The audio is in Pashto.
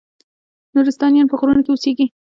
نورستانیان په غرونو کې اوسیږي؟